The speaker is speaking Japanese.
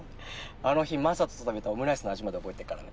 あの日雅人と食べたオムライスの味まで覚えてるからね。